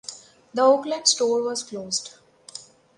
The Oakland store was closed.